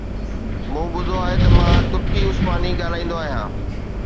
مون ٻڌو آهي ته مان ترڪي عثماني ڳالهائيندو آهيان